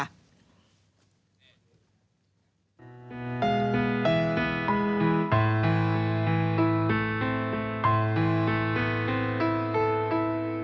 โปรดติดตามตอนต่อไป